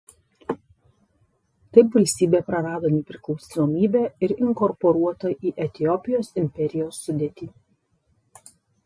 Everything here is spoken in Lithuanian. Taip valstybė prarado nepriklausomybę ir inkorporuota į Etiopijos imperijos sudėtį.